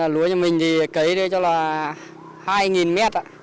lúa cho mình thì cấy cho là hai m